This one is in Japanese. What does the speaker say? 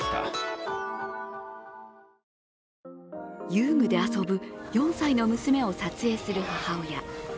遊具で遊ぶ４歳の娘を撮影する母親。